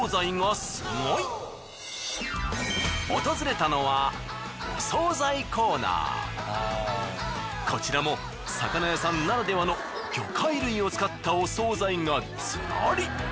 訪れたのはこちらも魚屋さんならではの魚介類を使ったお惣菜がずらり。